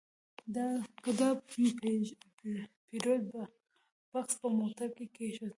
ما د پیرود بکس په موټر کې کېښود.